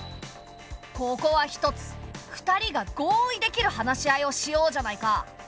ここはひとつ２人が合意できる話し合いをしようじゃないか。